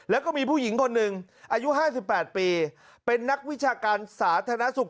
แล้วก็มีผู้หญิงคนหนึ่งอายุ๕๘ปีเป็นนักวิชาการสาธารณสุข